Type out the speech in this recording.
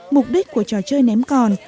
mục đích của trò chơi ném còn